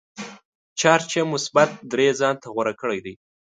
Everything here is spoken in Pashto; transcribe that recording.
چارج یې مثبت درې ځانته غوره کړی دی.